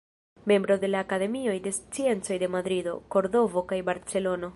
Membro de la Akademioj de Sciencoj de Madrido, Kordovo kaj Barcelono.